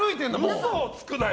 嘘をつくなよ！